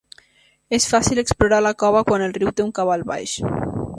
És fàcil explorar la cova quan el riu té un cabal baix.